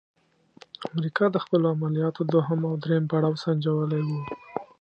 امریکا د خپلو عملیاتو دوهم او دریم پړاو سنجولی وو.